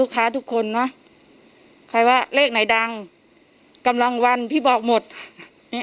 ลูกค้าทุกคนเนอะใครว่าเลขไหนดังกำลังวันพี่บอกหมดเนี้ยใครเนี้ย